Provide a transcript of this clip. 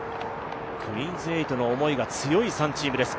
クイーンズ８の思いが強い３チームです。